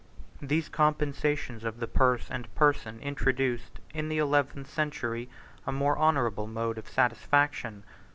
27 These compensations of the purse and the person introduced, in the eleventh century, a more honorable mode of satisfaction.